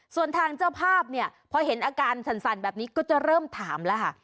ส่วนทางเจ้าภาพเนี่ยพอเห็นอาการสั่นแบบนี้ก็จะเริ่มถามแล้วค่ะ